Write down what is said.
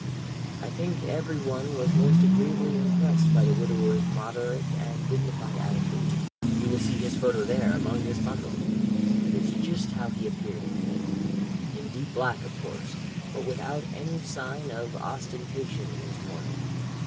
"I think every one was most agreeably impressed by the widower's moderate and dignified attitude. You will see his photo there, among this bundle. That is just how he appeared in court. In deep black, of course, but without any sign of ostentation in his mourning.